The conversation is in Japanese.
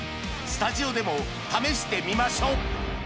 スタジオでも試してみましょ！